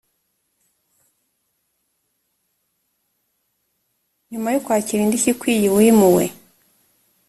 nyuma yo kwakira indishyi ikwiye uwimuwe